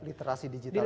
literasi digital itu ya